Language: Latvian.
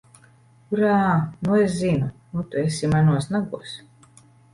Urā! Nu es zinu! Nu tu esi manos nagos!